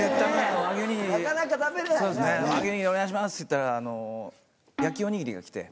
そうですね。って言ったら焼きおにぎりが来て。